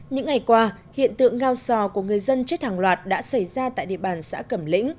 những ngày qua hiện tượng ngao sò của người dân chết hàng loạt đã xảy ra tại địa bàn xã cẩm lĩnh